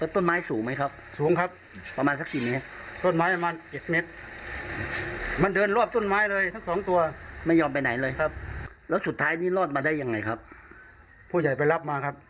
ต้นไม้สูงไหมครับสูงครับ